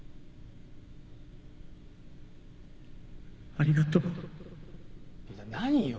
ありがとう。何よ。